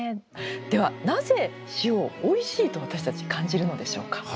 ではなぜ塩をおいしいと私たち感じるのでしょうか。